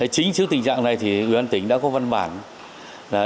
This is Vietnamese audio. chính trước tình trạng này thì ubnd tỉnh đã có văn bản